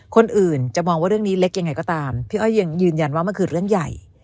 คนอื่นจะมองว่าเรื่องนี้เล็กยังไงก็ตามพี่อ้อยยังยืนยันว่ามันคือเรื่องใหญ่